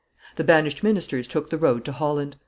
The banished ministers took the road to Holland.